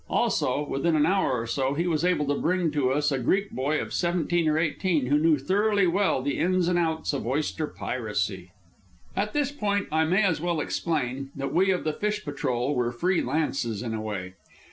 Also, within an hour or so, he was able to bring to us a Greek boy of seventeen or eighteen who knew thoroughly well the ins and outs of oyster piracy. At this point I may as well explain that we of the fish patrol were free lances in a way.